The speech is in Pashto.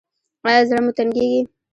ایا زړه مو تنګیږي؟